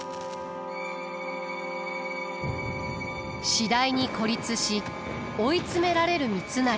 次第に孤立し追い詰められる三成。